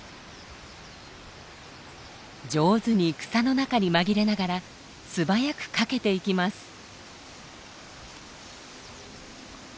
上手に草の中に紛れながら素早く駆けていきます。